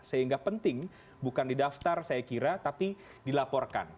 sehingga penting bukan di daftar saya kira tapi dilaporkan